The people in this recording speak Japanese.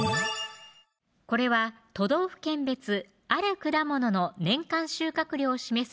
これは都道府県別ある果物の年間収穫量を示す円グラフです